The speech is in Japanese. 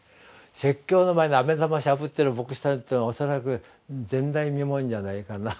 説教の前にあめ玉しゃぶってる牧師さんというのは恐らく前代未聞じゃないかな。